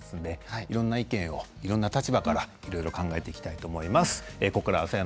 いろんな意見をいろいろな立場から考えていきたいと思います。